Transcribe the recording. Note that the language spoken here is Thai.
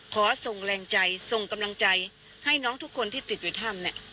ขอส่งแรงใจส่งกำลังใจให้น้องทุกคนที่ติดอยู่ถ้ำเนี่ย